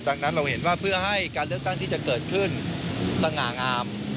ดังนั้นเราเห็นว่าเพื่อให้การเลือกตั้งที่จะเกิดขึ้นสง่างาม